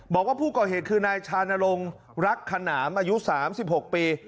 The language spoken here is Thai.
บอกว่าผู้ก่อเหตุคือนายชานลงรักขนามอายุ๓๖ปี